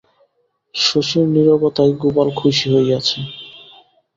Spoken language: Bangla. শশীর নীরবতায় গোপাল খুশি হইয়াছে।